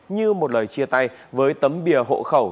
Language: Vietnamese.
như một lời chia tay với tấm bia hộ khẩu